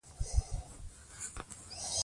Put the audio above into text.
دښمنان تار په تار سول.